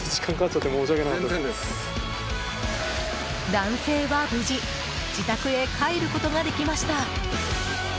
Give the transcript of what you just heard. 男性は、無事自宅へ帰ることができました。